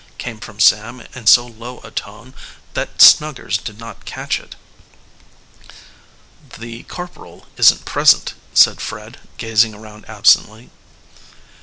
came from Sam in so low a tone that Snuggers did not catch it. "The corporal isn't present," said Fred, gazing around absently.